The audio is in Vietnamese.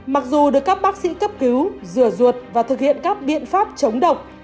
mặc dù được các bác sĩ cấp cứu rửa ruột và thực hiện các biện pháp chống độc